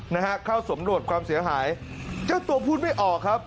นะฮะเข้าสำรวจความเสียหายเจ้าตัวพูดไม่ออกครับ